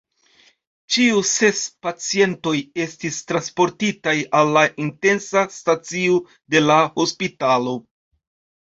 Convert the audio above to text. Ĉiu ses pacientoj estis transportitaj al la intensa stacio de la hospitalo.